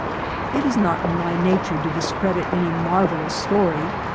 It is not in my nature to discredit any marvellous story.